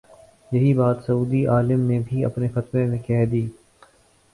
یہی بات سعودی عالم نے بھی اپنے فتوے میں کہی ہے۔